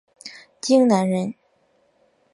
荆南人。